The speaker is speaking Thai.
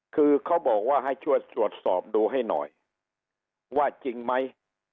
คือเขาบอกว่าให้ช่วยตรวจสอบดูให้หน่อยว่าจริงไหม